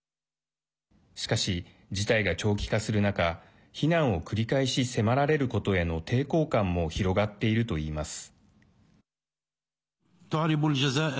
しかし、事態が長期化する中非難を繰り返し迫られることへの抵抗感も広がっているといいます。